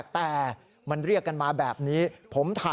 แล้วก็เรียกเพื่อนมาอีก๓ลำ